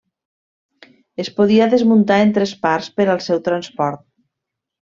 Es podia desmuntar en tres parts per al seu transport.